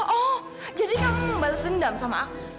oh jadi kamu mau bales dendam sama aku